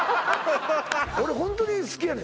俺ホントに好きやね